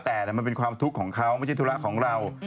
แต่มันเป็นความทุกข์ของเขาไม่ใช่ธุระของเรา